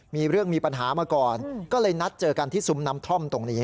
มีเรื่องมีปัญหามาก่อนก็เลยนัดเจอกันที่ซุ้มน้ำท่อมตรงนี้